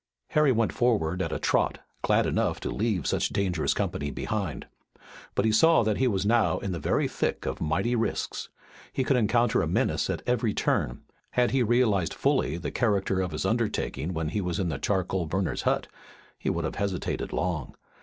Harry went forward at a trot, glad enough to leave such dangerous company behind. But he saw that he was now in the very thick of mighty risks. He would encounter a menace at every turn. Had he realized fully the character of his undertaking when he was in the charcoal burner's hut he would have hesitated long.